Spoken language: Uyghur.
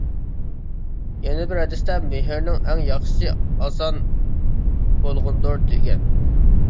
يەنە بىر ھەدىستە: «مېھىرنىڭ ئەڭ ياخشىسى ئاسان بولغىنىدۇر» دېگەن.